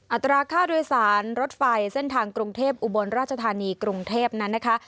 อัตราค่าโดยสารรถไฟเส้นทางกรุงเทพอุบลราชธานีกรุงเทพนั้นนะคะ